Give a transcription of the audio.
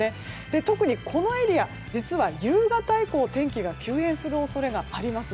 特にこのエリア、実は夕方以降天気が急変する恐れがあります。